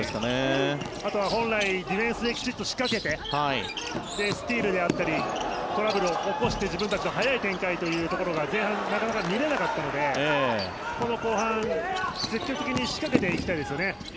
あとは本来ディフェンスできちんと仕掛けてスチールであったりトラブルを起こして自分たちの速い展開というところが前半なかなか見れなかったのでこの後半、積極的に仕掛けていきたいですよね。